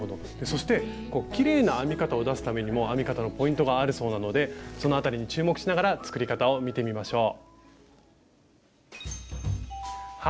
そしてきれいな編み方を出すためにも編み方のポイントがあるそうなのでそのあたりに注目しながら作り方を見てみましょう。